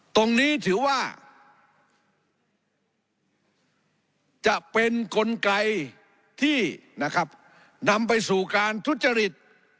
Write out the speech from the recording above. ตรงนี้ถือว่าจะเป็นกลไกที่นะครับนำไปสู่การทุจริต